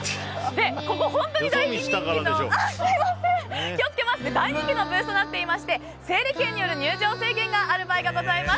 ここ本当に大人気のブースとなってまして整理券による入場制限がある場合がございます。